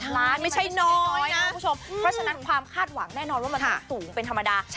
เพราะฉะนั้นความคาดหวังแน่นอนว่ามันจะสูงเป็นธรรมดา